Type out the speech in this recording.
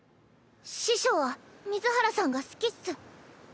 師匠は水原さんが好きっス。